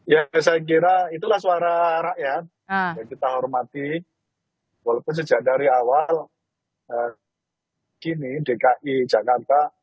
ya saya kira itulah suara rakyat yang kita hormati walaupun sejak dari awal gini dki jakarta